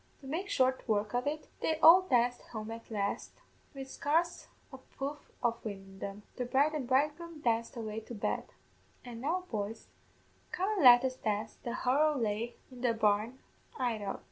To make short work of it, they all danced home at last, wid scarce a puff of wind in them; the bride and bridegroom danced away to bed; an' now, boys, come an' let us dance the Horo Lheig in the barn 'idout.